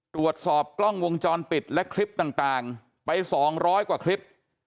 ตรวจสอบกล้องวงจรปิดและคลิปต่างไป๒๐๐กว่าคลิป